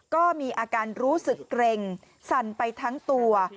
ก็มีอาการรู้สึกเกร็งสั่นไปทั้งตัว